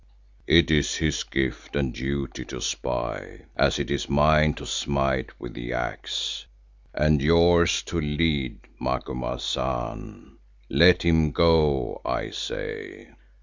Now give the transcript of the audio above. It is his gift and duty to spy, as it is mine to smite with the axe, and yours to lead, Macumazahn. Let him go, I say."